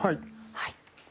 はい。